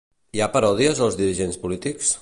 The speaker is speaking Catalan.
Hi ha paròdies als dirigents polítics?